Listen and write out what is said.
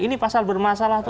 ini pasal bermasalah